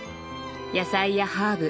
野菜やハーブ